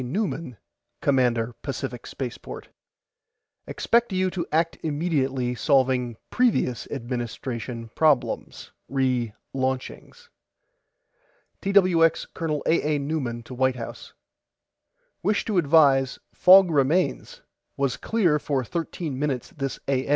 NEUMAN COMMANDER PACIFIC SPACEPORT: EXPECT YOU TO ACT IMMEDIATELY SOLVING PREVIOUS ADMINISTRATION PROBLEMS RE LAUNCHINGS TWX COL. A. A. NEUMAN TO WHITE HOUSE: WISH TO ADVISE FOG REMAINS WAS CLEAR FOR THIRTEEN MINUTES THIS A.